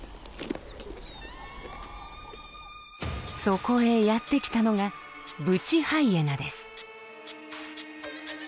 そこへやって来たのがブチハイエナです。